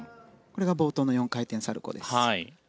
これが冒頭の４回転サルコウです。